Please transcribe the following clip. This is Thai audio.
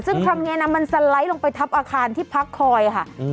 ซึ่งครั้งนี้นะมันสไลด์ลงไปทับอาคารที่พักคอยค่ะ